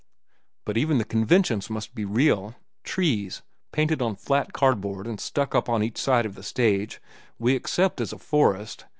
"But even the conventions must be real. Trees, painted on flat cardboard and stuck up on each side of the stage, we accept as a forest.